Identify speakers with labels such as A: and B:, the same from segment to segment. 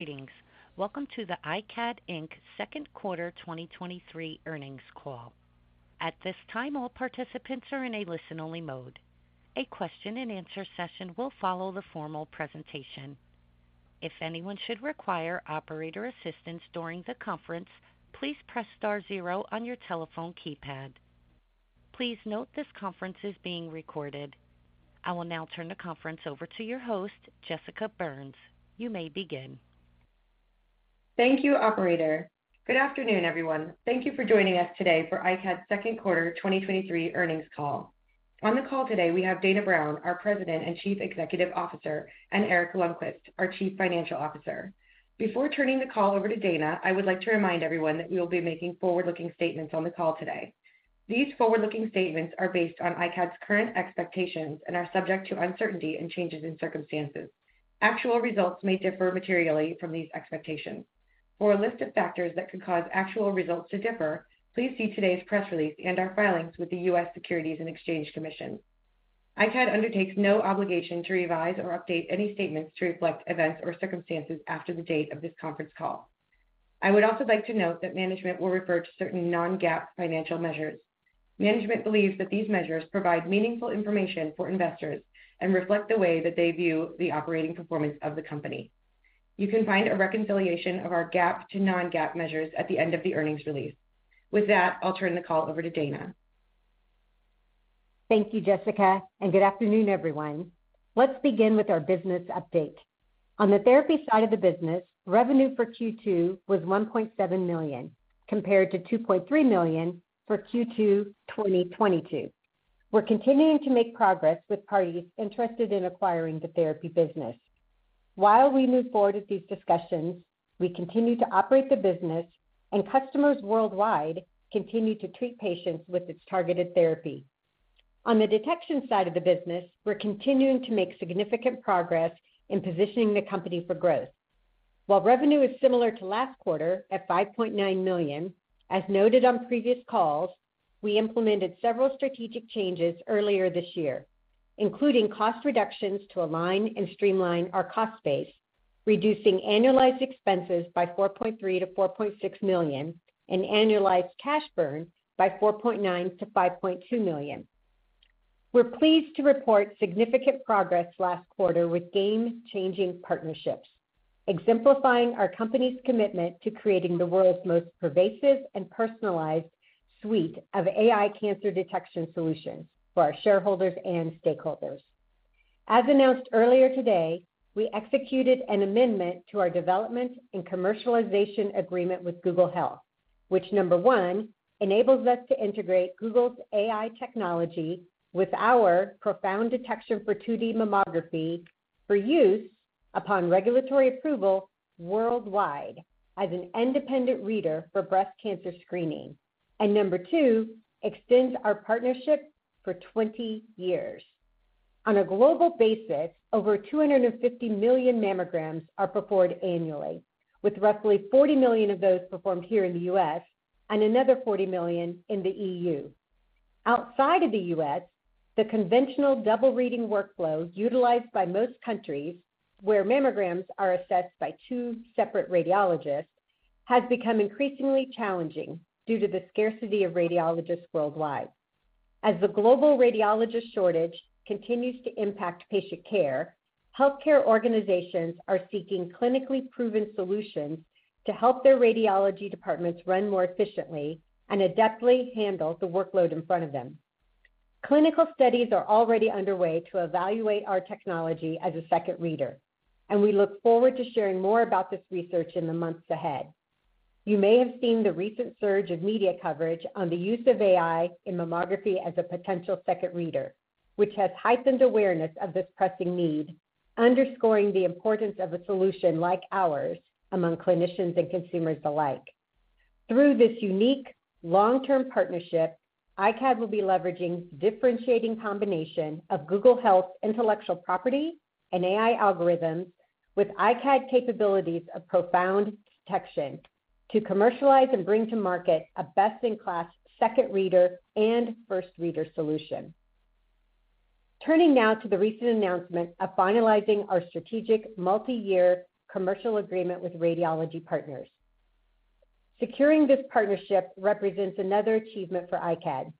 A: Greetings. Welcome to the iCAD, Inc second quarter 2023 earnings call. At this time, all participants are in a listen-only mode. A question-and-answer session will follow the formal presentation. If anyone should require operator assistance during the conference, please press star zero on your telephone keypad. Please note this conference is being recorded. I will now turn the conference over to your host, Jessica Burns. You may begin.
B: Thank you, operator. Good afternoon, everyone. Thank you for joining us today for iCAD's second quarter 2023 earnings call. On the call today, we have Dana Brown, our President and Chief Executive Officer, and Eric Lonnqvist, our Chief Financial Officer. Before turning the call over to Dana, I would like to remind everyone that we will be making forward-looking statements on the call today. These forward-looking statements are based on iCAD's current expectations and are subject to uncertainty and changes in circumstances. Actual results may differ materially from these expectations. For a list of factors that could cause actual results to differ, please see today's press release and our filings with the U.S. Securities and Exchange Commission. iCAD undertakes no obligation to revise or update any statements to reflect events or circumstances after the date of this conference call. I would also like to note that management will refer to certain non-GAAP financial measures. Management believes that these measures provide meaningful information for investors and reflect the way that they view the operating performance of the company. You can find a reconciliation of our GAAP to non-GAAP measures at the end of the earnings release. With that, I'll turn the call over to Dana.
C: Thank you, Jessica. Good afternoon, everyone. Let's begin with our business update. On the therapy side of the business, revenue for Q2 was $1.7 million, compared to $2.3 million for Q2 2022. We're continuing to make progress with parties interested in acquiring the therapy business. While we move forward with these discussions, we continue to operate the business and customers worldwide continue to treat patients with its targeted therapy. On the detection side of the business, we're continuing to make significant progress in positioning the company for growth. While revenue is similar to last quarter at $5.9 million, as noted on previous calls, we implemented several strategic changes earlier this year, including cost reductions to align and streamline our cost base, reducing annualized expenses by $4.3 million-$4.6 million and annualized cash burn by $4.9 million-$5.2 million. We're pleased to report significant progress last quarter with game-changing partnerships, exemplifying our company's commitment to creating the world's most pervasive and personalized suite of AI cancer detection solutions for our shareholders and stakeholders. As announced earlier today, we executed an amendment to our development and commercialization agreement with Google Health, which, number one, enables us to integrate Google's AI technology with our ProFound Detection for 2D mammography for use upon regulatory approval worldwide as an independent reader for breast cancer screening. Number two, extends our partnership for 20 years. On a global basis, over 250 million mammograms are performed annually, with roughly 40 million of those performed here in the U.S. and another 40 million in the E.U. Outside of the U.S., the conventional double reading workflow utilized by most countries, where mammograms are assessed by two separate radiologists, has become increasingly challenging due to the scarcity of radiologists worldwide. As the global radiologist shortage continues to impact patient care, healthcare organizations are seeking clinically proven solutions to help their radiology departments run more efficiently and adeptly handle the workload in front of them. Clinical studies are already underway to evaluate our technology as a second reader, and we look forward to sharing more about this research in the months ahead. You may have seen the recent surge of media coverage on the use of AI in mammography as a potential second reader, which has heightened awareness of this pressing need, underscoring the importance of a solution like ours among clinicians and consumers alike. Through this unique long-term partnership, iCAD will be leveraging differentiating combination of Google Health intellectual property and AI algorithms with iCAD capabilities of ProFound Detection to commercialize and bring to market a best-in-class second reader and first reader solution. Turning now to the recent announcement of finalizing our strategic multi-year commercial agreement with Radiology Partners. Securing this partnership represents another achievement for iCAD.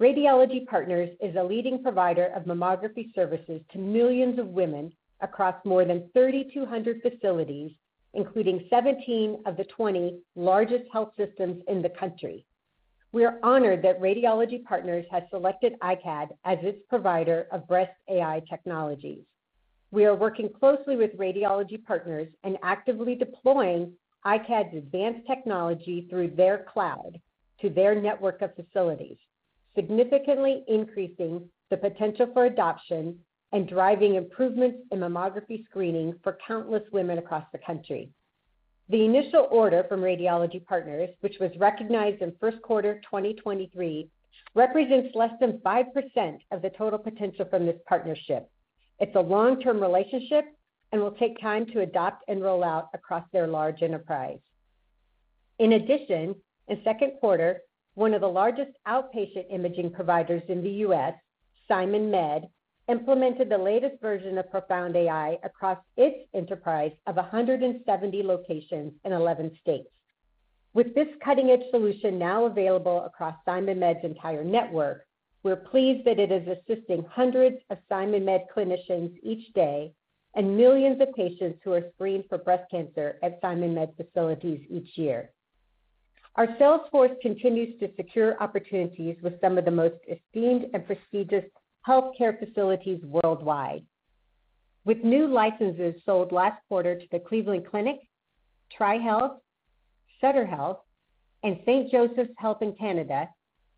C: Radiology Partners is a leading provider of mammography services to millions of women across more than 3,200 facilities, including 17 of the 20 largest health systems in the country. We are honored that Radiology Partners has selected iCAD as its provider of breast AI technologies. We are working closely with Radiology Partners and actively deploying iCAD's advanced technology through their cloud to their network of facilities, significantly increasing the potential for adoption and driving improvements in mammography screening for countless women across the country. The initial order from Radiology Partners, which was recognized in first quarter 2023, represents less than 5% of the total potential from this partnership. It's a long-term relationship and will take time to adopt and roll out across their large enterprise.... In addition, in second quarter, one of the largest outpatient imaging providers in the U.S., SimonMed, implemented the latest version of ProFound AI across its enterprise of 170 locations in 11 states. With this cutting-edge solution now available across SimonMed's entire network, we're pleased that it is assisting hundreds of SimonMed clinicians each day and millions of patients who are screened for breast cancer at SimonMed facilities each year. Our sales force continues to secure opportunities with some of the most esteemed and prestigious healthcare facilities worldwide. With new licenses sold last quarter to the Cleveland Clinic, TriHealth, Sutter Health, and St. Joseph's Health in Canada,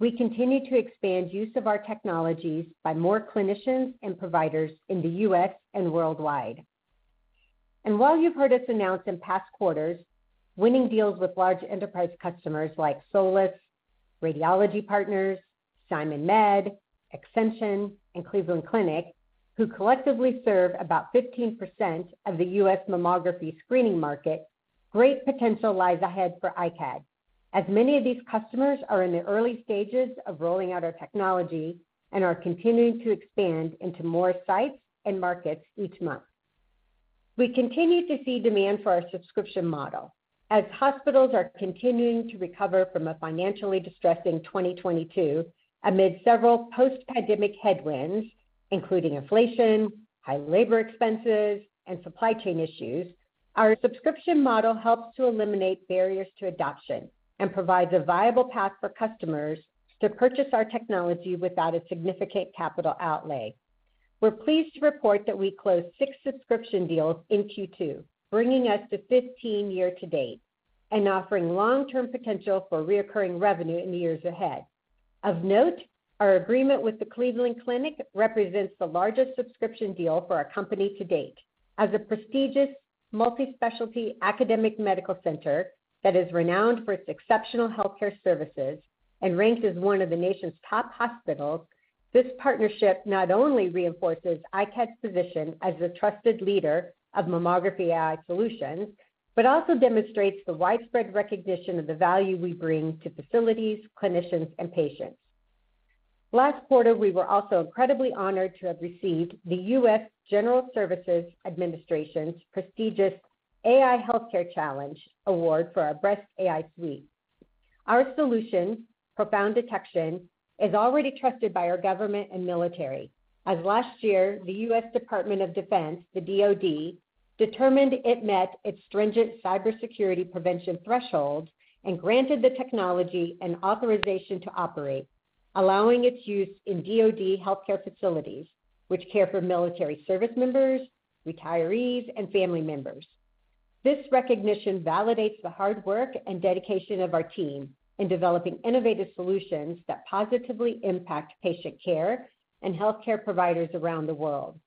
C: we continue to expand use of our technologies by more clinicians and providers in the U.S. and worldwide. While you've heard us announce in past quarters, winning deals with large enterprise customers like Solis, Radiology Partners, SimonMed, Ascension, and Cleveland Clinic, who collectively serve about 15% of the U.S. mammography screening market, great potential lies ahead for iCAD, as many of these customers are in the early stages of rolling out our technology and are continuing to expand into more sites and markets each month. We continue to see demand for our subscription model. As hospitals are continuing to recover from a financially distressing 2022, amid several post-pandemic headwinds, including inflation, high labor expenses, and supply chain issues, our subscription model helps to eliminate barriers to adoption and provides a viable path for customers to purchase our technology without a significant capital outlay. We're pleased to report that we closed six subscription deals in Q2, bringing us to 15 year to date and offering long-term potential for reoccurring revenue in the years ahead. Of note, our agreement with the Cleveland Clinic represents the largest subscription deal for our company to date. As a prestigious multi-specialty academic medical center that is renowned for its exceptional healthcare services and ranked as one of the nation's top hospitals, this partnership not only reinforces iCAD's position as the trusted leader of mammography AI solutions, but also demonstrates the widespread recognition of the value we bring to facilities, clinicians, and patients. Last quarter, we were also incredibly honored to have received the U.S. General Services Administration's prestigious AI Healthcare Challenge Award for our Breast AI Suite. Our solution, ProFound Detection, is already trusted by our government and military. As last year, the U.S. Department of Defense, the DoD, determined it met its stringent cybersecurity prevention thresholds and granted the technology an Authorization to Operate, allowing its use in DoD healthcare facilities, which care for military service members, retirees, and family members. This recognition validates the hard work and dedication of our team in developing innovative solutions that positively impact patient care and healthcare providers around the world.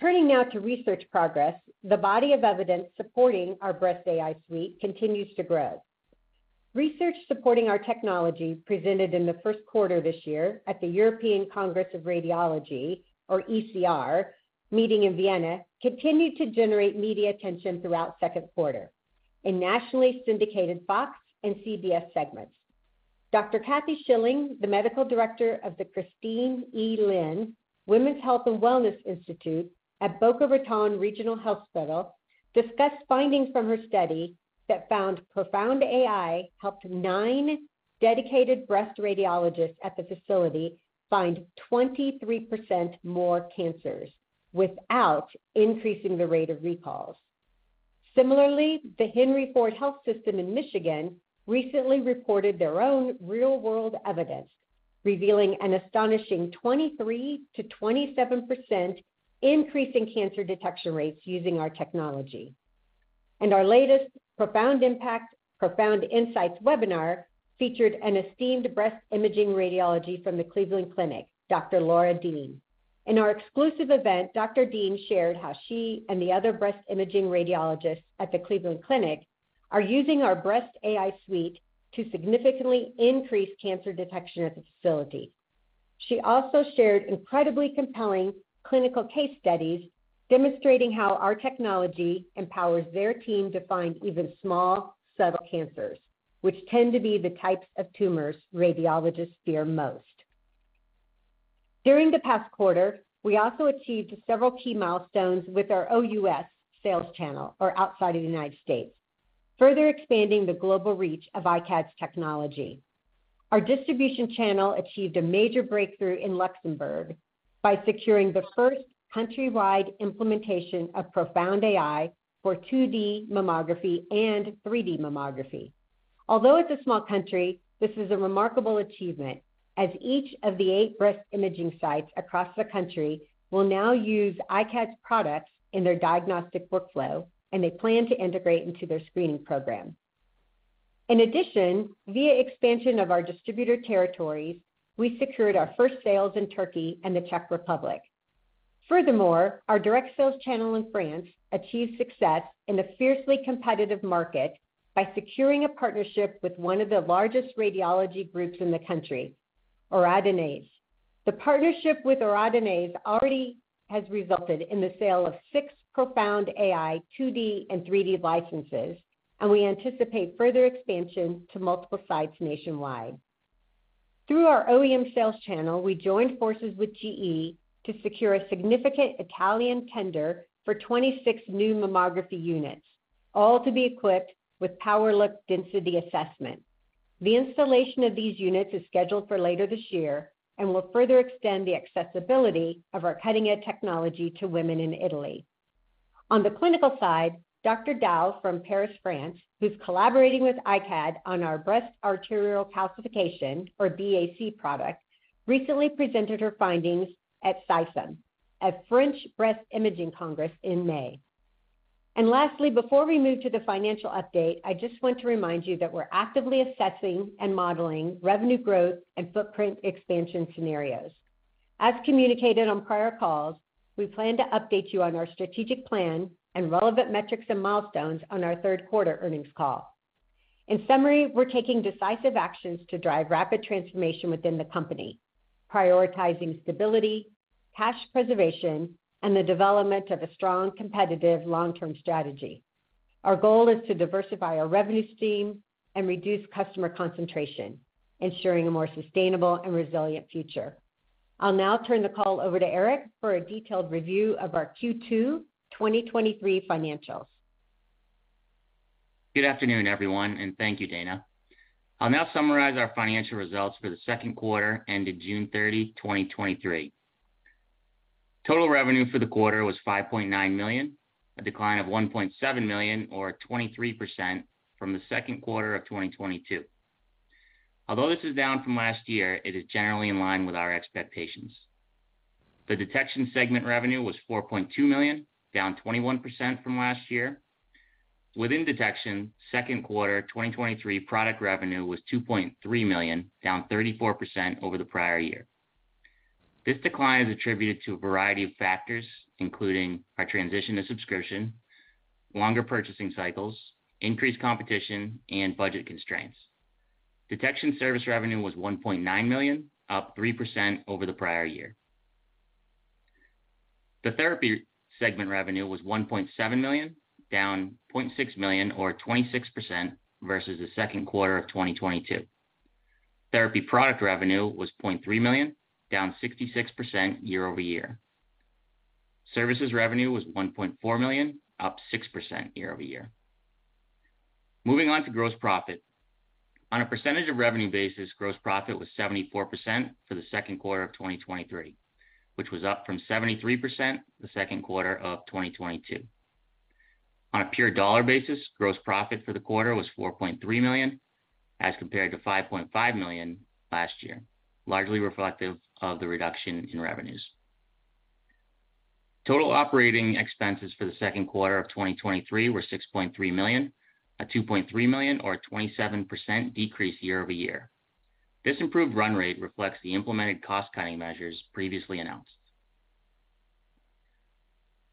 C: Turning now to research progress, the body of evidence supporting our Breast AI Suite continues to grow. Research supporting our technology presented in the first quarter this year at the European Congress of Radiology, or ECR, meeting in Vienna, continued to generate media attention throughout second quarter in nationally syndicated Fox and CBS segments. Dr. Kathy Schilling, the medical director of the Christine E. Lynn Women's Health & Wellness Institute at Boca Raton Regional Hospital, discussed findings from her study that found ProFound AI helped nine dedicated breast radiologists at the facility find 23% more cancers without increasing the rate of recalls. Similarly, the Henry Ford Health recently reported their own real-world evidence, revealing an astonishing 23%-27% increase in cancer detection rates using our technology. Our latest ProFound Impact, ProFound Insights webinar featured an esteemed breast imaging radiology from the Cleveland Clinic, Dr. Laura Dean. In our exclusive event, Dr. Dean shared how she and the other breast imaging radiologists at the Cleveland Clinic are using our Breast AI Suite to significantly increase cancer detection at the facility. She also shared incredibly compelling clinical case studies demonstrating how our technology empowers their team to find even small, subtle cancers, which tend to be the types of tumors radiologists fear most. During the past quarter, we also achieved several key milestones with our OUS sales channel, or outside of the United States, further expanding the global reach of iCAD's technology. Our distribution channel achieved a major breakthrough in Luxembourg by securing the first countrywide implementation of ProFound AI for 2D mammography and 3D mammography. Although it's a small country, this is a remarkable achievement, as each of the eight breast imaging sites across the country will now use iCAD's products in their diagnostic workflow, and they plan to integrate into their screening program. In addition, via expansion of our distributor territories, we secured our first sales in Turkey and the Czech Republic. Furthermore, our direct sales channel in France achieved success in a fiercely competitive market by securing a partnership with one of the largest radiology groups in the country. Oradea. The partnership with Oradea already has resulted in the sale of six ProFound AI, 2D and 3D licenses, and we anticipate further expansion to multiple sites nationwide. Through our OEM sales channel, we joined forces with GE to secure a significant Italian tender for 26 new mammography units, all to be equipped with PowerLook Density Assessment. The installation of these units is scheduled for later this year and will further extend the accessibility of our cutting-edge technology to women in Italy. On the clinical side, Dr. Dao from Paris, France, who's collaborating with iCAD on our breast arterial calcification, or BAC product, recently presented her findings at SIFEM, a French breast imaging congress in May. Lastly, before we move to the financial update, I just want to remind you that we're actively assessing and modeling revenue growth and footprint expansion scenarios. As communicated on prior calls, we plan to update you on our strategic plan and relevant metrics and milestones on our third quarter earnings call. In summary, we're taking decisive actions to drive rapid transformation within the company, prioritizing stability, cash preservation, and the development of a strong, competitive, long-term strategy. Our goal is to diversify our revenue stream and reduce customer concentration, ensuring a more sustainable and resilient future. I'll now turn the call over to Eric for a detailed review of our Q2 2023 financials.
D: Good afternoon, everyone, thank you, Dana. I'll now summarize our financial results for the second quarter ended June 30, 2023. Total revenue for the quarter was $5.9 million, a decline of $1.7 million or 23% from the second quarter of 2022. Although this is down from last year, it is generally in line with our expectations. The detection segment revenue was $4.2 million, down 21% from last year. Within detection, second quarter 2023 product revenue was $2.3 million, down 34% over the prior year. This decline is attributed to a variety of factors, including our transition to subscription, longer purchasing cycles, increased competition, and budget constraints. Detection service revenue was $1.9 million, up 3% over the prior year. The therapy segment revenue was $1.7 million, down $0.6 million, or 26%, versus the second quarter of 2022. Therapy product revenue was $0.3 million, down 66% year-over-year. Services revenue was $1.4 million, up 6% year-over-year. Moving on to gross profit. On a percentage of revenue basis, gross profit was 74% for the second quarter of 2023, which was up from 73% the second quarter of 2022. On a pure dollar basis, gross profit for the quarter was $4.3 million, as compared to $5.5 million last year, largely reflective of the reduction in revenues. Total operating expenses for the second quarter of 2023 were $6.3 million, a $2.3 million or a 27% decrease year-over-year. This improved run rate reflects the implemented cost-cutting measures previously announced.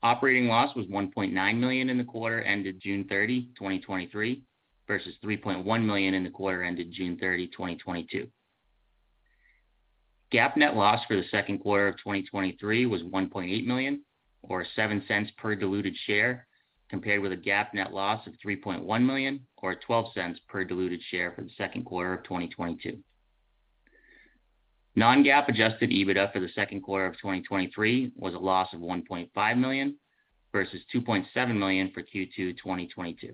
D: Operating loss was $1.9 million in the quarter ended June 30, 2023, versus $3.1 million in the quarter ended June 30, 2022. GAAP net loss for the second quarter of 2023 was $1.8 million, or $0.07 per diluted share, compared with a GAAP net loss of $3.1 million, or $0.12 per diluted share for the second quarter of 2022. Non-GAAP adjusted EBITDA for the second quarter of 2023 was a loss of $1.5 million, versus $2.7 million for Q2 2022.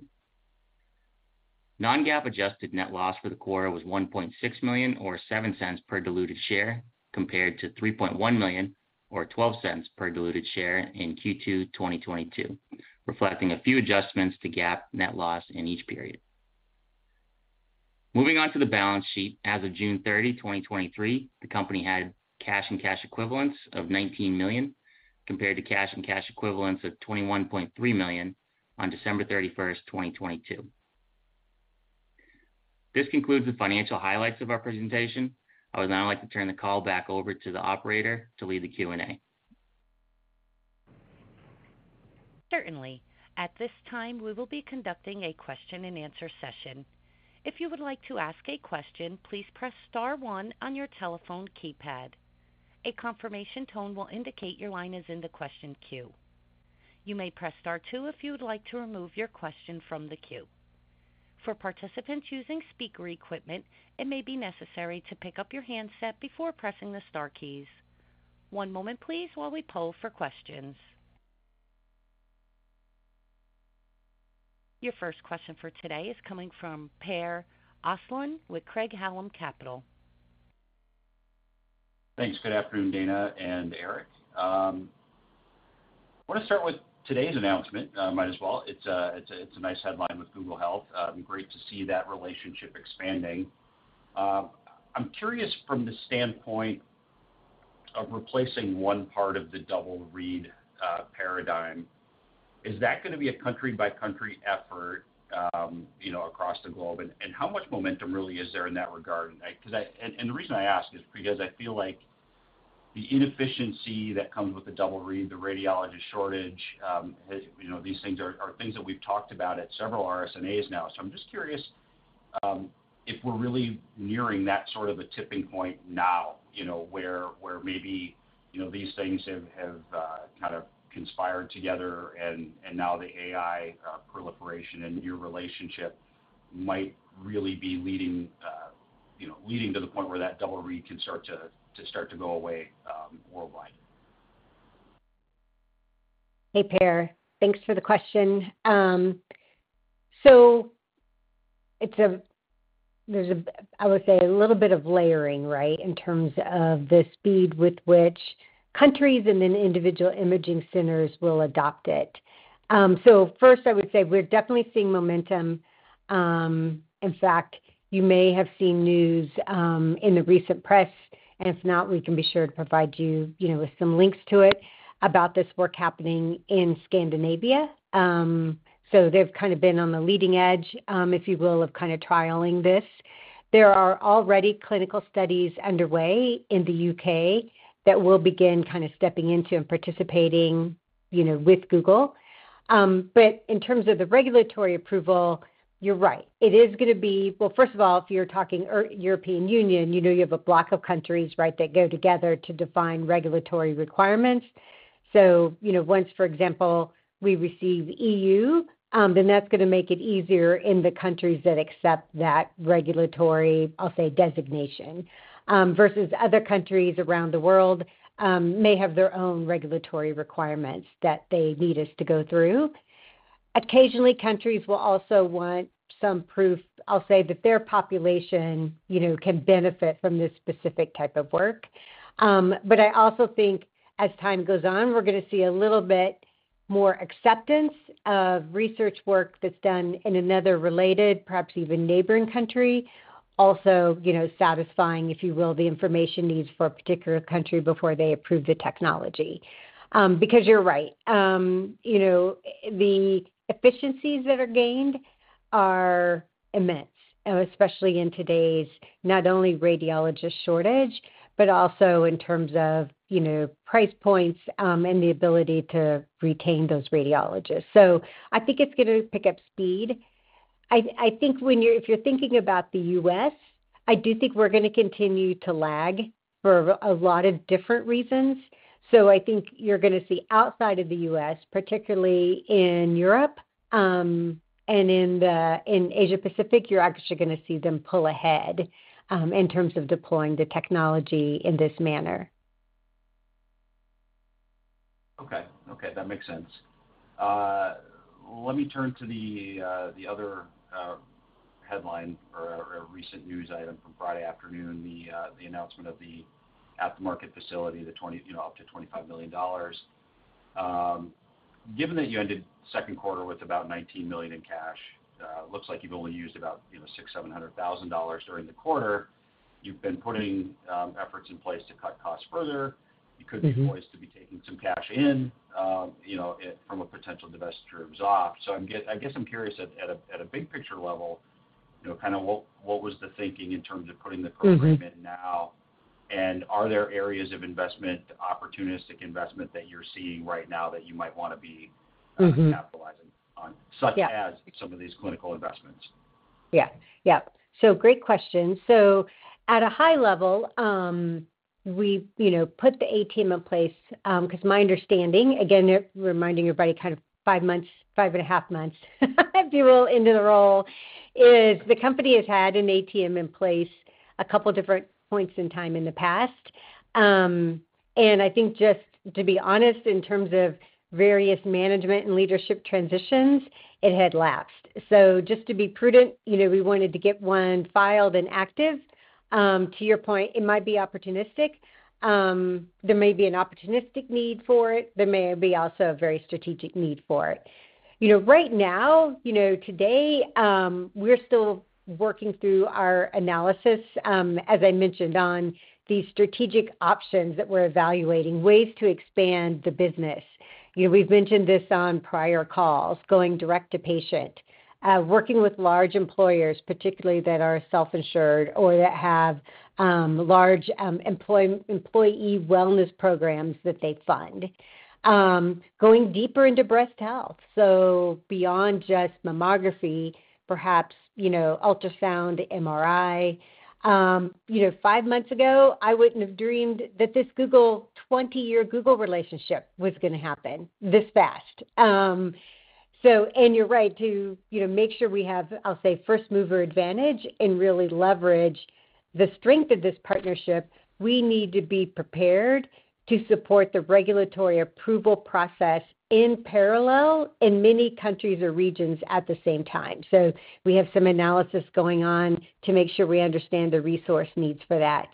D: Non-GAAP adjusted net loss for the quarter was $1.6 million, or $0.07 per diluted share, compared to $3.1 million, or $0.12 per diluted share in Q2 2022, reflecting a few adjustments to GAAP net loss in each period. Moving on to the balance sheet. As of June 30, 2023, the company had cash and cash equivalents of $19 million, compared to cash and cash equivalents of $21.3 million on December 31, 2022. This concludes the financial highlights of our presentation. I would now like to turn the call back over to the operator to lead the Q&A.
A: Certainly. At this time, we will be conducting a question-and-answer session. If you would like to ask a question, please press star one on your telephone keypad. A confirmation tone will indicate your line is in the question queue. You may press star two if you would like to remove your question from the queue. For participants using speaker equipment, it may be necessary to pick up your handset before pressing the star keys. One moment please while we poll for questions. Your first question for today is coming from Per Ostlund with Craig-Hallum Capital.
E: Thanks. Good afternoon, Dana and Eric. I want to start with today's announcement, might as well. It's a, it's a, it's a nice headline with Google Health. It'd be great to see that relationship expanding. I'm curious from the standpoint of replacing one part of the double read paradigm, is that going to be a country-by-country effort, you know, across the globe? How much momentum really is there in that regard? The reason I ask is because I feel like the inefficiency that comes with the double read, the radiologist shortage, you know, these things are, are things that we've talked about at several RSNAs now. I'm just curious, if we're really nearing that sort of a tipping point now, you know, where, where maybe, you know, these things have, have, kind of conspired together, and, and now the AI proliferation and your relationship might really be leading, you know, leading to the point where that double read can start to start to go away, worldwide.
C: Hey, Per. Thanks for the question. So there's a, I would say, a little bit of layering, right, in terms of the speed with which countries and then individual imaging centers will adopt it. So first, I would say we're definitely seeing momentum. In fact, you may have seen news in the recent press, and if not, we can be sure to provide you, you know, with some links to it, about this work happening in Scandinavia. So they've kind of been on the leading edge, if you will, of kind of trialing this. There are already clinical studies underway in the U.K. That will begin kind of stepping into and participating, you know, with Google. But in terms of the regulatory approval, you're right. It is gonna be... Well, first of all, if you're talking European Union, you know, you have a block of countries, right, that go together to define regulatory requirements. You know, once, for example, we receive E.U., then that's gonna make it easier in the countries that accept that regulatory, I'll say, designation. Versus other countries around the world, may have their own regulatory requirements that they need us to go through. Occasionally, countries will also want some proof, I'll say, that their population, you know, can benefit from this specific type of work. I also think as time goes on, we're gonna see a little bit more acceptance of research work that's done in another related, perhaps even neighboring country. Also, you know, satisfying, if you will, the information needs for a particular country before they approve the technology. Because you're right, you know, the efficiencies that are gained are immense, especially in today's not only radiologist shortage, but also in terms of, you know, price points, and the ability to retain those radiologists. I think it's gonna pick up speed. I think if you're thinking about the U.S., I do think we're gonna continue to lag for a lot of different reasons. I think you're gonna see outside of the U.S., particularly in Europe, and in the, in Asia Pacific, you're actually gonna see them pull ahead, in terms of deploying the technology in this manner.
E: Okay. Okay, that makes sense. Let me turn to the, the other, headline or, or recent news item from Friday afternoon, the, the announcement of the at-the-market facility, the $20, you know, up to $25 million. Given that you ended the second quarter with about $19 million in cash, looks like you've only used about, you know, $600,000-$700,000 during the quarter. You've been putting, efforts in place to cut costs further.
C: Mm-hmm.
E: You could be poised to be taking some cash in, you know, it, from a potential divestiture of Xoft. I guess I'm curious at, at a, at a big picture level, you know, kind of what, what was the thinking in terms of putting?
C: Mm-hmm
E: Agreement now? Are there areas of investment, opportunistic investment, that you're seeing right now that you might want to be-
C: Mm-hmm
E: capitalizing on, such as-
C: Yeah
E: some of these clinical investments?
C: Yeah. Yeah. Great question. At a high level, we, you know, put the ATM in place because my understanding, again, reminding everybody, 5 months, 5.5 months, if you will, into the role, is the company has had an ATM in place a couple different points in time in the past. I think just to be honest, in terms of various management and leadership transitions, it had lapsed. Just to be prudent, you know, we wanted to get one filed and active. To your point, it might be opportunistic. There may be an opportunistic need for it. There may be also a very strategic need for it. You know, right now, you know, today, we're still working through our analysis, as I mentioned, on the strategic options that we're evaluating, ways to expand the business. You know, we've mentioned this on prior calls, going direct to patient, working with large employers, particularly, that are self-insured or that have large employee wellness programs that they fund. Going deeper into breast health, so beyond just mammography, perhaps, you know, ultrasound, MRI. You know, five months ago, I wouldn't have dreamed that this Google, 20-year Google relationship was gonna happen this fast. You're right, to, you know, make sure we have, I'll say, first-mover advantage and really leverage the strength of this partnership, we need to be prepared to support the regulatory approval process in parallel in many countries or regions at the same time. We have some analysis going on to make sure we understand the resource needs for that.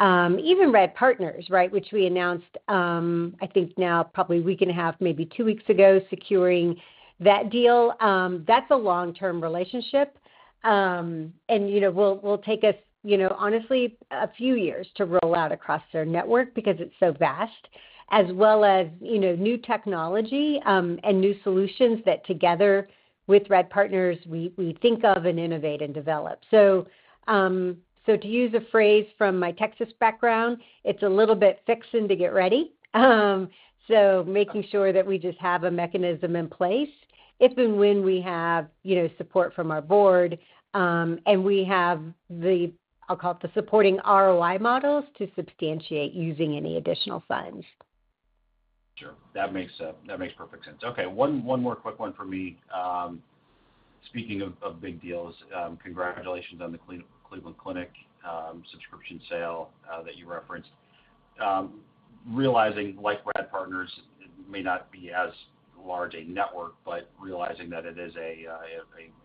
C: Even Rad Partners, right, which we announced, I think now probably a week and 1/2, maybe 2 weeks ago, securing that deal, that's a long-term relationship. And, you know, will, will take us, you know, honestly, a few years to roll out across their network because it's so vast, as well as, you know, new technology, and new solutions that together with Rad Partners, we, we think of and innovate and develop. To use a phrase from my Texas background, it's a little bit fixing to get ready. Making sure that we just have a mechanism in place if and when we have, you know, support from our board, and we have the, I'll call it the supporting ROI models to substantiate using any additional funds.
E: Sure. That makes, that makes perfect sense. Okay, one, one more quick one for me. Speaking of, of big deals, congratulations on the Cleveland Clinic subscription sale that you referenced. Realizing like Rad Partners may not be as large a network, but realizing that it is a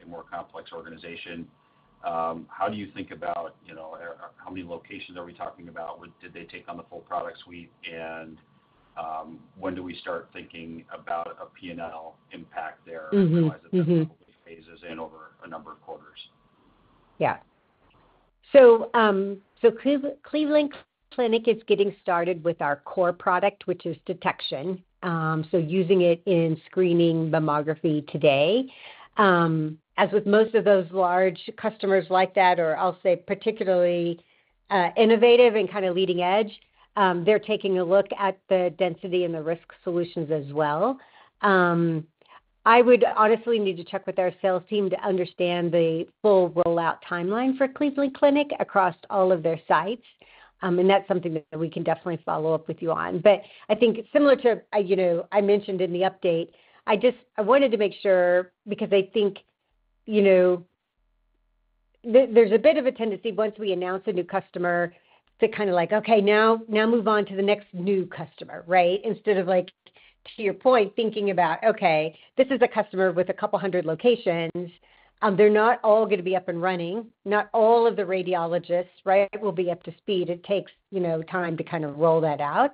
E: more complex organization, how do you think about, you know, how many locations are we talking about? Did they take on the full product suite? When do we start thinking about a P&L impact there?
C: Mm-hmm, mm-hmm
E: realizing that probably phases in over a number of quarters?
C: Yeah. Cleveland Clinic is getting started with our core product, which is detection. Using it in screening mammography today. As with most of those large customers like that, or I'll say, particularly, innovative and kind of leading edge, they're taking a look at the density and the risk solutions as well. I would honestly need to check with our sales team to understand the full rollout timeline for Cleveland Clinic across all of their sites. That's something that we can definitely follow up with you on. I think similar to, you know, I mentioned in the update, I wanted to make sure because I think, you know, there, there's a bit of a tendency once we announce a new customer, to kind of like, okay, now, now move on to the next new customer, right? Instead of like, to your point, thinking about, okay, this is a customer with a couple 100 locations, they're not all going to be up and running. Not all of the radiologists, right, will be up to speed. It takes, you know, time to kind of roll that out.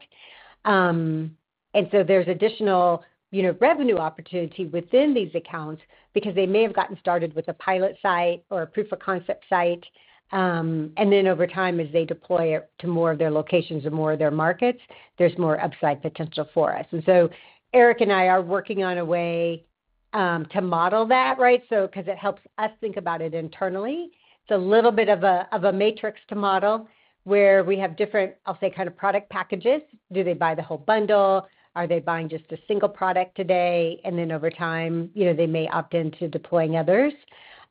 C: There's additional, you know, revenue opportunity within these accounts because they may have gotten started with a pilot site or a proof of concept site. Over time, as they deploy it to more of their locations and more of their markets, there's more upside potential for us. Eric and I are working on a way to model that, right? Because it helps us think about it internally. It's a little bit of a, of a matrix to model where we have different, I'll say, kind of product packages. Do they buy the whole bundle? Are they buying just a single product today, and then over time, you know, they may opt in to deploying others?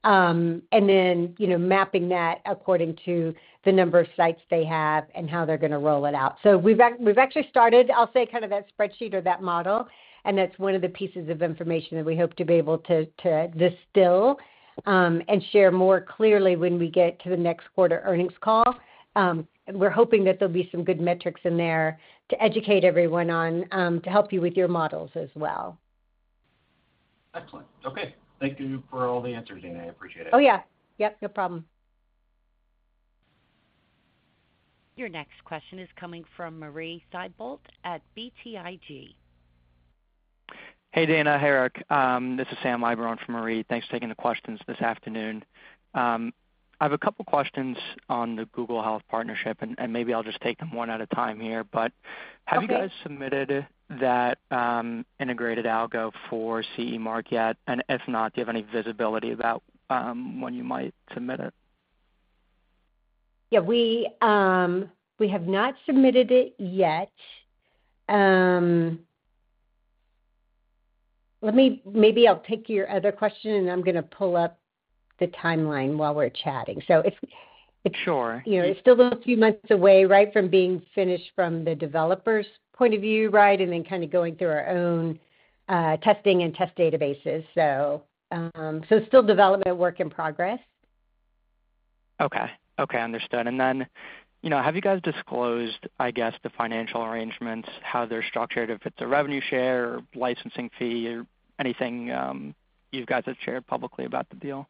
C: Then, you know, mapping that according to the number of sites they have and how they're going to roll it out. We've actually started, I'll say, kind of that spreadsheet or that model, and that's one of the pieces of information that we hope to be able to, to distill and share more clearly when we get to the next quarter earnings call. We're hoping that there'll be some good metrics in there to educate everyone on to help you with your models as well.
E: Excellent. Okay. Thank you for all the answers, Dana. I appreciate it.
C: Oh, yeah. Yep, no problem.
A: Your next question is coming from Marie Thibault at BTIG.
F: Hey, Dana. Hey, Eric. This is Sam Eiber for Marie Thibault. Thanks for taking the questions this afternoon. I have a couple questions on the Google Health partnership, and, and maybe I'll just take them one at a time here.
C: Okay.
F: have you guys submitted that, integrated algo for CE Mark yet? If not, do you have any visibility about, when you might submit it?
C: Yeah, we have not submitted it yet. Let me, maybe I'll take your other question, and I'm going to pull up the timeline while we're chatting.
F: Sure.
C: You know, it's still a few months away, right, from being finished from the developer's point of view, right? Kind of going through our own testing and test databases. So still development work in progress.
F: Okay. Okay, understood. Then, you know, have you guys disclosed, I guess, the financial arrangements, how they're structured, if it's a revenue share or licensing fee or anything, you've guys have shared publicly about the deal?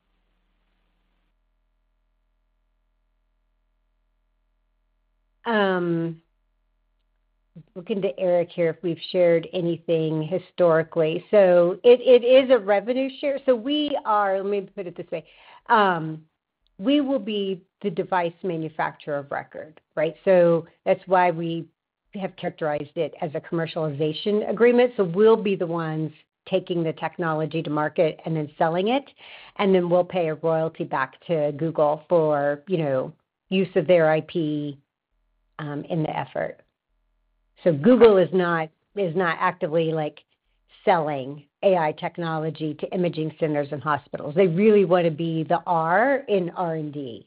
C: Looking to Eric here if we've shared anything historically. It, it is a revenue share. We are... Let me put it this way. We will be the device manufacturer of record, right? That's why we have characterized it as a commercialization agreement. We'll be the ones taking the technology to market and then selling it, and then we'll pay a royalty back to Google for, you know, use of their IP in the effort. Google is not, is not actively, like, selling AI technology to imaging centers and hospitals. They really want to be the R in R&D.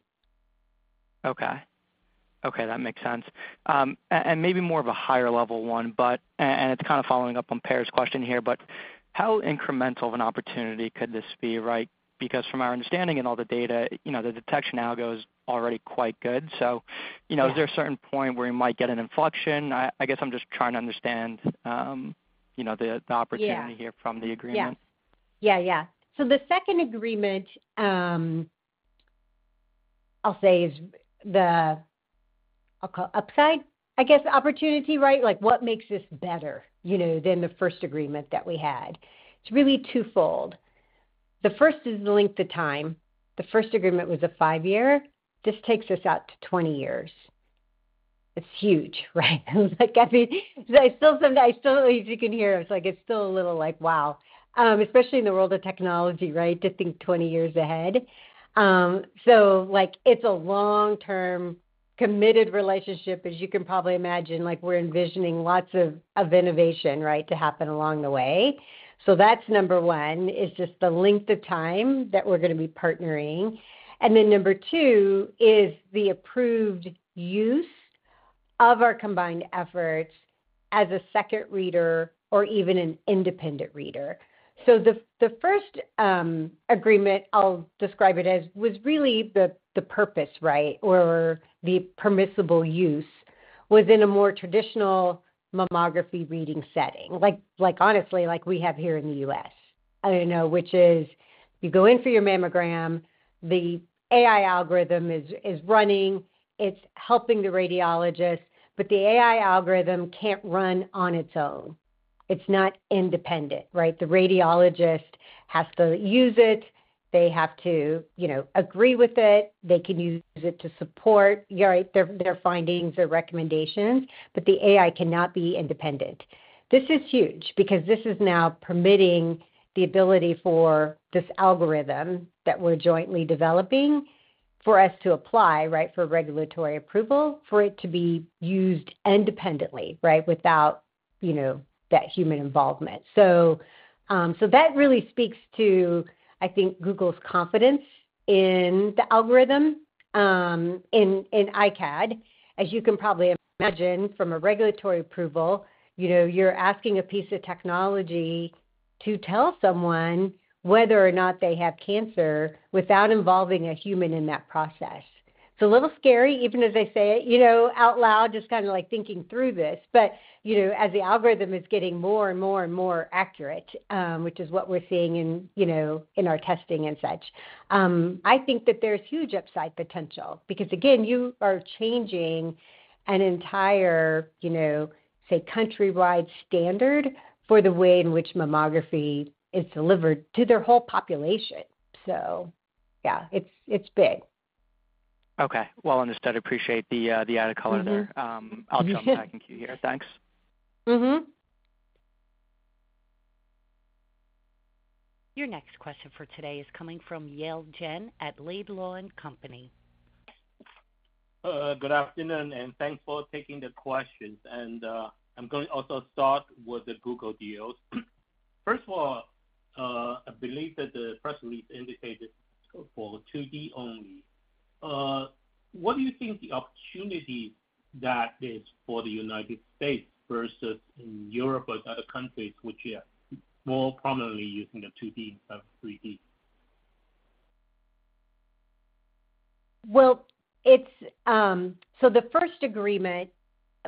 F: Okay. Okay, that makes sense. Maybe more of a higher level one, but it's kind of following up on Per's question here, but how incremental of an opportunity could this be, right? Because from our understanding and all the data, you know, the detection algo is already quite good. You know.
C: Yeah
F: Is there a certain point where you might get an inflection? I, I guess I'm just trying to understand, you know, the.
C: Yeah
F: opportunity here from the agreement.
C: Yeah. Yeah, yeah. The second agreement, I'll say is the, I'll call upside, I guess, opportunity, right? Like, what makes this better, you know, than the first agreement that we had? It's really twofold. The first is the length of time. The first agreement was a five-year. This takes us out to 20 years. It's huge, right? Like, I mean, I still sometimes-- I still, as you can hear, it's like it's still a little, like, wow. Especially in the world of technology, right, to think 20 years ahead. So like, it's a long-term, committed relationship, as you can probably imagine. Like, we're envisioning lots of, of innovation, right, to happen along the way. That's number one, is just the length of time that we're gonna be partnering. Then number two is the approved use of our combined efforts as a second reader or even an independent reader. The, the first agreement, I'll describe it as, was really the, the purpose, right, or the permissible use, was in a more traditional mammography reading setting. Like, like, honestly, like we have here in the U.S., I don't know, which is, you go in for your mammogram, the AI algorithm is, is running, it's helping the radiologist, but the AI algorithm can't run on its own. It's not independent, right? The radiologist has to use it. They have to, you know, agree with it. They can use it to support, right, their, their findings or recommendations, but the AI cannot be independent. This is huge because this is now permitting the ability for this algorithm that we're jointly developing for us to apply, right, for regulatory approval, for it to be used independently, right, without, you know, that human involvement. So that really speaks to, I think, Google's confidence in the algorithm, in, in iCAD. As you can probably imagine, from a regulatory approval, you know, you're asking a piece of technology to tell someone whether or not they have cancer without involving a human in that process. It's a little scary, even as I say it, you know, out loud, just kind of like thinking through this. You know, as the algorithm is getting more and more and more accurate, which is what we're seeing in, you know, in our testing and such, I think that there's huge upside potential. Again, you are changing an entire, you know, say, countrywide standard for the way in which mammography is delivered to their whole population. Yeah, it's, it's big.
F: Okay. Well understood. Appreciate the, the added color there.
C: Mm-hmm.
F: I'll jump back in queue here. Thanks.
C: Mm-hmm.
A: Your next question for today is coming from Yale Jen at Laidlaw & Company.
G: Good afternoon, thanks for taking the questions. I'm going to also start with the Google deals. First of all, I believe that the press release indicated for 2D only. What do you think the opportunity that is for the United States versus in Europe or other countries which are more prominently using the 2D than 3D?
C: Well, it's, the first agreement,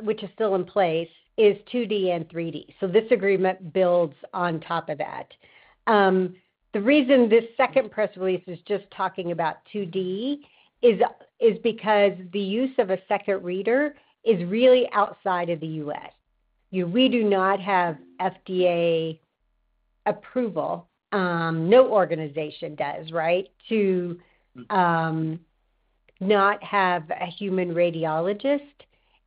C: which is still in place, is 2D and 3D. The reason this second press release is just talking about 2D is, is because the use of a second reader is really outside of the U.S.. We do not have FDA approval, no organization does, right, to, not have a human radiologist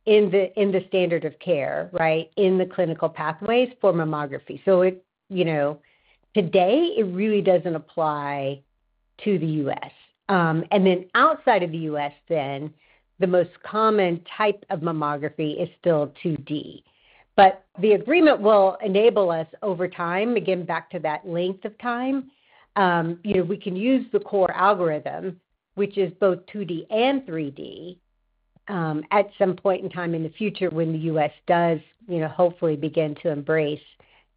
C: in the, in the standard of care, right, in the clinical pathways for mammography. It, you know, today, it really doesn't apply to the U.S.. Outside of the U.S. then, the most common type of mammography is still 2D. The agreement will enable us, over time, again, back to that length of time, you know, we can use the core algorithm, which is both 2D and 3D, at some point in time in the future when the U.S. does, you know, hopefully begin to embrace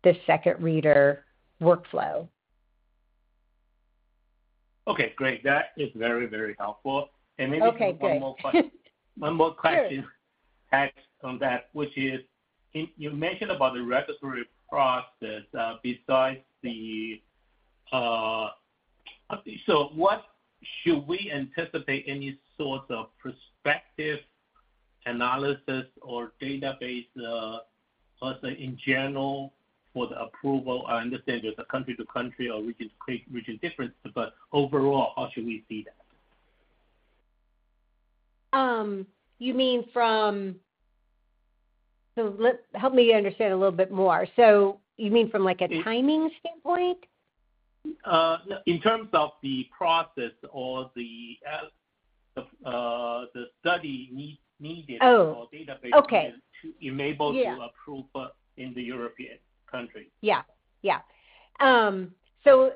C: the second reader workflow.
G: Okay, great. That is very, very helpful.
C: Okay, good.
G: Maybe one more question. One more question...
C: Sure
G: Add on that, which is, you mentioned about the regulatory process, besides the, should we anticipate any sort of prospective analysis or database, let's say, in general, for the approval? I understand it's a country to country or which is create, which is different, but overall, how should we see that?
C: You mean from... Help me understand a little bit more. You mean from, like, a timing standpoint?
G: In terms of the process or the, the, the study need.
C: Oh, okay.
G: or database to enable-
C: Yeah
G: to approve in the European country.
C: Yeah, yeah.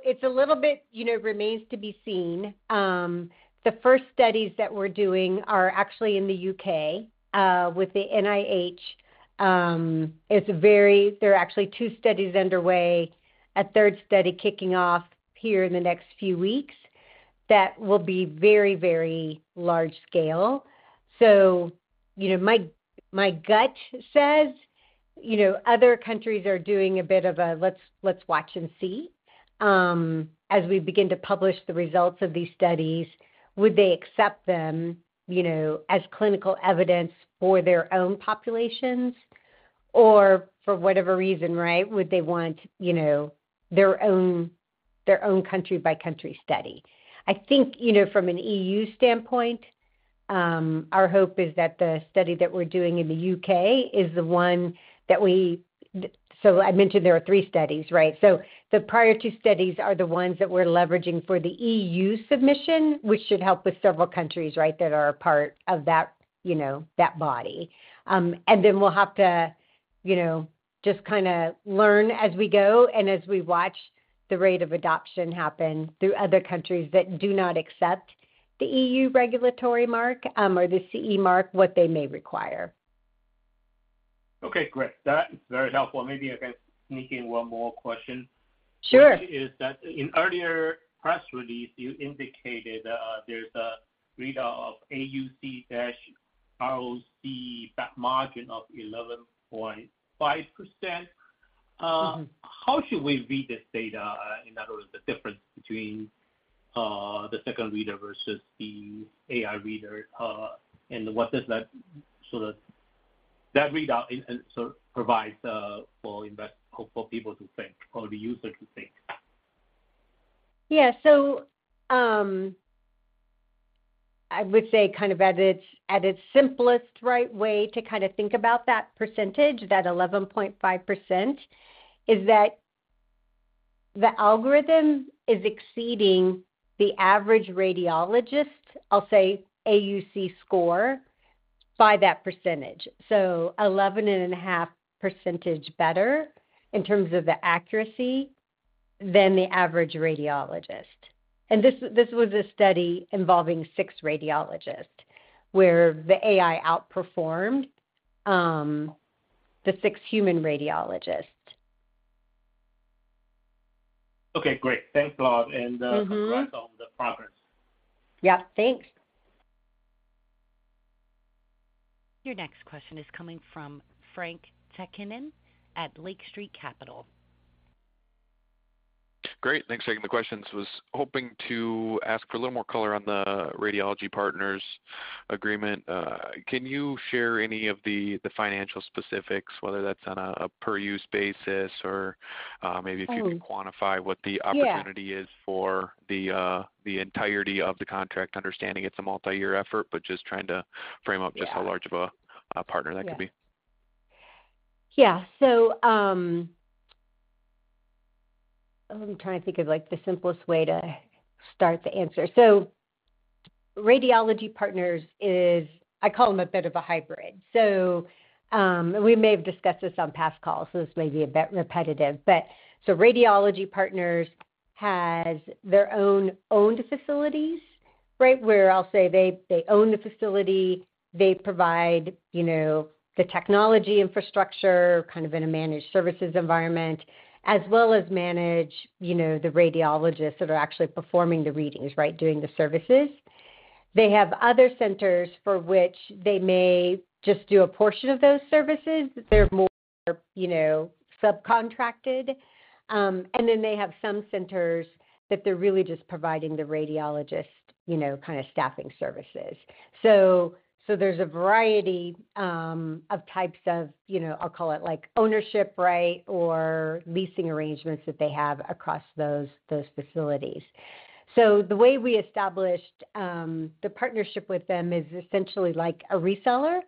C: It's a little bit, you know, remains to be seen. The first studies that we're doing are actually in the U.K., with the NHS. It's very-- there are actually two studies underway, 1/3 study kicking off here in the next few weeks, that will be very, very large scale. You know, my, my gut says you know, other countries are doing a bit of a let's, let's watch and see. As we begin to publish the results of these studies, would they accept them, you know, as clinical evidence for their own populations, or for whatever reason, right, would they want, you know, their own, their own country by country study? I think, you know, from an E.U. standpoint, our hope is that the study that we're doing in the U.K. is the one that we. I mentioned there are three studies, right? The prior two studies are the ones that we're leveraging for the E.U. submission, which should help with several countries, right, that are a part of that, you know, that body. Then we'll have to, you know, just kinda learn as we go and as we watch the rate of adoption happen through other countries that do not accept the E.U. regulatory mark, or the CE Mark, what they may require.
G: Okay, great. That is very helpful. Maybe I can sneak in one more question.
C: Sure.
G: Is that in earlier press release, you indicated, there's a readout of AUC-ROC, that margin of 11.5%?
C: Mm-hmm.
G: How should we read this data? In other words, the difference between the second reader versus the AI reader, and what does that, so that, that readout in, so provides hope for people to think or the user to think?
C: Yeah. I would say kind of at its, at its simplest right way to kind of think about that percentage, that 11.5%, is that the algorithm is exceeding the average radiologist, I'll say, AUC score by that percentage. 11.5% better in terms of the accuracy than the average radiologist. This, this was a study involving six radiologists, where the AI outperformed the six human radiologists.
G: Okay, great. Thanks a lot, and-
C: Mm-hmm
G: Congrats on the progress.
C: Yeah, thanks.
A: Your next question is coming from Frank Takkinen at Lake Street Capital.
H: Great. Thanks for taking the questions. Was hoping to ask for a little more color on the Radiology Partners agreement. Can you share any of the, the financial specifics, whether that's on a, a per-use basis or, maybe-
C: Oh
H: if you can quantify what the opportunity-
C: Yeah
H: ...is for the, the entirety of the contract, understanding it's a multi-year effort, but just trying to frame up-
C: Yeah
H: just how large of a, a partner that could be.
C: Yeah. Let me try to think of, like, the simplest way to start the answer. Radiology Partners is... I call them a bit of a hybrid. We may have discussed this on past calls, so this may be a bit repetitive. Radiology Partners has their own owned facilities, right? Where I'll say they, they own the facility, they provide, you know, the technology infrastructure, kind of in a managed services environment, as well as manage, you know, the radiologists that are actually performing the readings, right, doing the services. They have other centers for which they may just do a portion of those services. They're more, you know, subcontracted. Then they have some centers that they're really just providing the radiologist, you know, kind of staffing services. There's a variety of types of, you know, I'll call it, like, ownership, right, or leasing arrangements that they have across those, those facilities. The way we established the partnership with them is essentially like a reseller.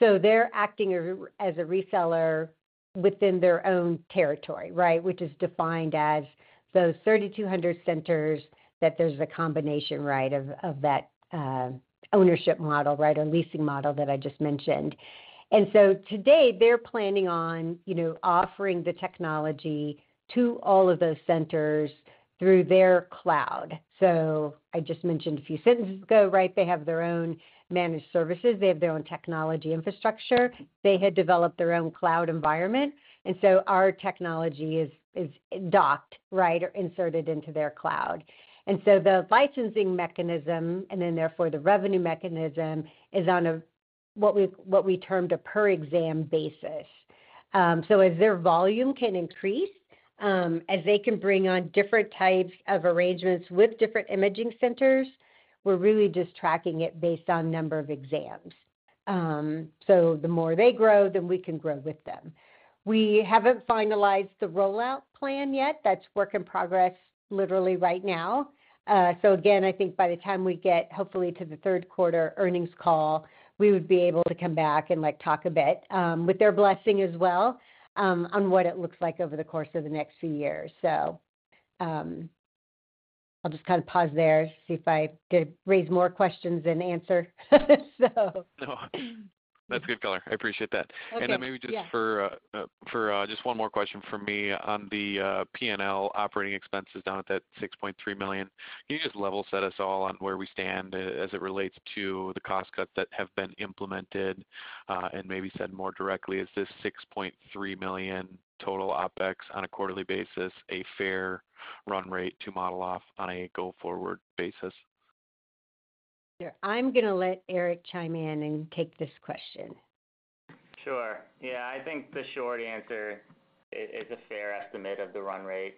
C: They're acting as a reseller within their own territory, right, which is defined as those 3,200 centers, that there's a combination, right, of that ownership model, right, or leasing model that I just mentioned. Today, they're planning on, you know, offering the technology to all of those centers through their cloud. I just mentioned a few sentences ago, right, they have their own managed services. They have their own technology infrastructure. They had developed their own cloud environment, our technology is, is docked, right, or inserted into their cloud. The licensing mechanism, and then therefore the revenue mechanism, is on a, what we, what we termed a per exam basis. As their volume can increase, as they can bring on different types of arrangements with different imaging centers, we're really just tracking it based on number of exams. The more they grow, we can grow with them. We haven't finalized the rollout plan yet. That's work in progress literally right now. Again, I think by the time we get, hopefully, to the third quarter earnings call, we would be able to come back and, like, talk a bit with their blessing as well on what it looks like over the course of the next few years. I'll just kind of pause there, see if I could raise more questions than answer.
H: No, that's good color. I appreciate that.
C: Okay, yeah.
H: Then maybe just for just one more question from me on the P&L operating expenses down at that $6.3 million. Can you just level set us all on where we stand as it relates to the cost cuts that have been implemented? And maybe said more directly, is this $6.3 million total OpEx on a quarterly basis, a fair run rate to model off on a go-forward basis?
C: I'm gonna let Eric chime in and take this question.
D: Sure. Yeah, I think the short answer is, is a fair estimate of the run rate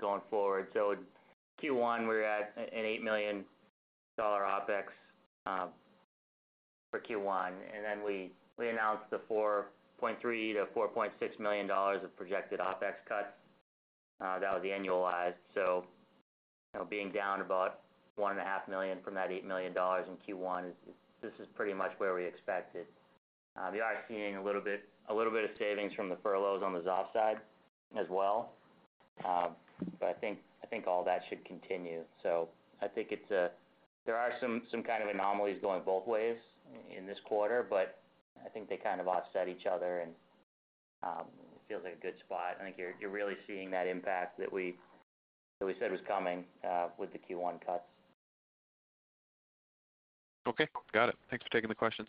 D: going forward. Q1, we're at an $8 million OpEx for Q1, and then we, we announced the $4.3 million-$4.6 million of projected OpEx cuts. That was annualized. Being down about $1.5 million from that $8 million in Q1, this is pretty much where we expected. We are seeing a little bit, a little bit of savings from the furloughs on the Xoft side as well. I think, I think all that should continue. I think it's a there are some, some kind of anomalies going both ways in this quarter, but I think they kind of offset each other and it feels like a good spot. I think you're, you're really seeing that impact that we, that we said was coming, with the Q1 cuts.
H: Okay, got it. Thanks for taking the questions.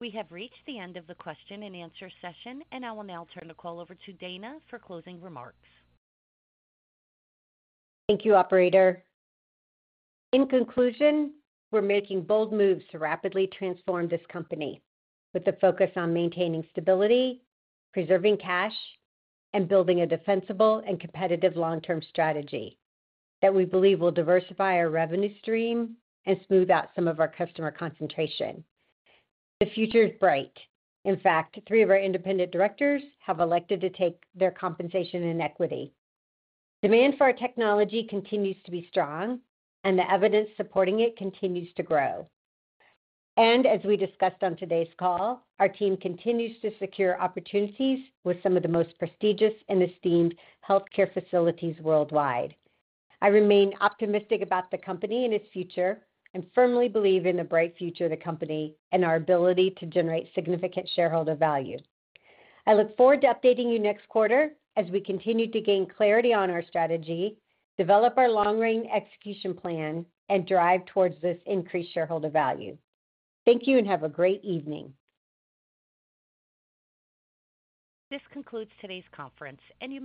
A: We have reached the end of the question-and-answer session, and I will now turn the call over to Dana for closing remarks.
C: Thank you, operator. In conclusion, we're making bold moves to rapidly transform this company with a focus on maintaining stability, preserving cash, and building a defensible and competitive long-term strategy that we believe will diversify our revenue stream and smooth out some of our customer concentration. The future is bright. In fact, three of our independent directors have elected to take their compensation in equity. Demand for our technology continues to be strong, and the evidence supporting it continues to grow. As we discussed on today's call, our team continues to secure opportunities with some of the most prestigious and esteemed healthcare facilities worldwide. I remain optimistic about the company and its future, and firmly believe in the bright future of the company and our ability to generate significant shareholder value. I look forward to updating you next quarter as we continue to gain clarity on our strategy, develop our long-range execution plan, and drive towards this increased shareholder value. Thank you, and have a great evening.
A: This concludes today's conference. Any parties-